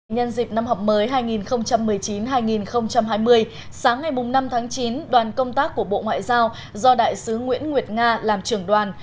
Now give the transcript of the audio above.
nhân dịp năm học mới hai nghìn một mươi chín hai nghìn hai mươi sáng ngày năm tháng chín đoàn công tác của bộ ngoại giao do đại sứ nguyễn nguyệt nga làm trưởng đoàn